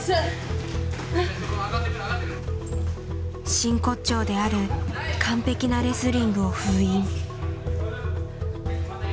真骨頂である完璧なレスリングを封印。